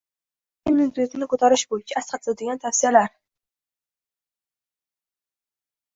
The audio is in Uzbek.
Kuzda immunitetni ko‘tarish bo‘yicha asqatadigan tavsiyalar